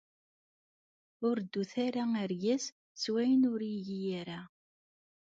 Ur reddut ara argaz s wayen ur igi ara.